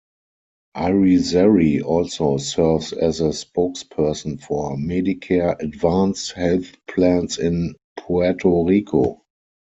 Irizarry also serves as spokesperson for Medicare advanced health plans in Puerto Rico.